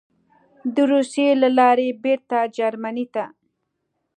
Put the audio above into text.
د روسیې له لارې بېرته جرمني ته: